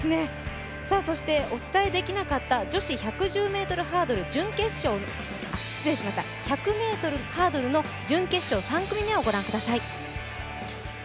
お伝えできなかった女子１００ｍハードルの準決勝３組目をご覧ください。